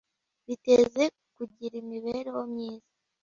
biteze kugira imibereho myiza